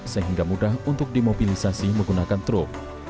sehingga mudah untuk dimobilisasi menggunakan truk